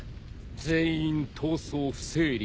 全員逃走不成立。